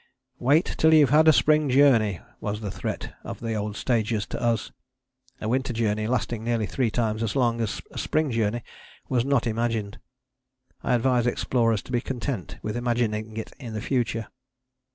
"Wait till you've had a spring journey" was the threat of the old stagers to us. A winter journey lasting nearly three times as long as a spring journey was not imagined. I advise explorers to be content with imagining it in the future.